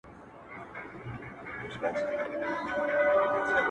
د سُر شپېلۍ یمه د چا د خولې زگېروی نه يمه’